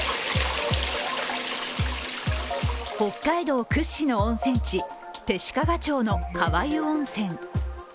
北海道屈指の温泉地、弟子屈町の川湯温泉。